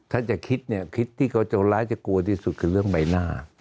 ถ้าจะคิดเนี่ยคิดที่เขาเจ้าร้ายจะกลัวที่สุดคือเรื่องใบหน้า